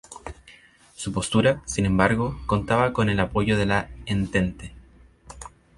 Su postura, sin embargo, contaba con el apoyo de la Entente.